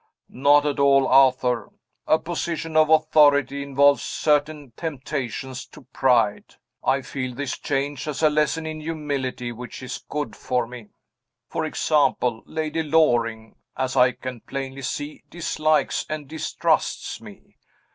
"Not at all, Arthur. A position of authority involves certain temptations to pride. I feel this change as a lesson in humility which is good for me. For example, Lady Loring (as I can plainly see) dislikes and distrusts me.